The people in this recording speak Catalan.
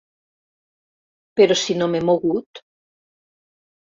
Però si no m'he mogut.